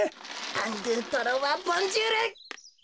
アンドゥトロワボンジュール！